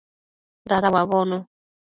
Dada uabono